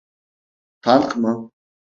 Tank mı?